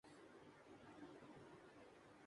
اس کا مطلب یہ ہے کہ کوئی حکم نہیں لگایا جائے گا